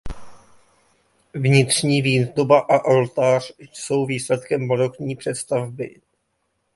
Vnitřní výzdoba a oltář jsou výsledkem barokní přestavby.